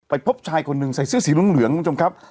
พบชายคนหนึ่งใส่เสื้อสีเหลืองคุณผู้ชมครับ